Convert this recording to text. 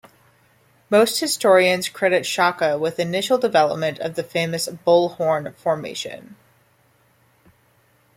Most historians credit Shaka with initial development of the famous "bull horn" formation.